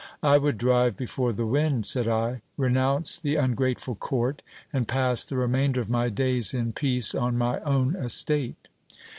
I would drive before the wind, said I ; renounce the un grateful court, and pass the remainder of my days in peace on my own estate.